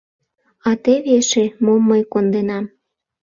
— А теве эше мом мый конденам!..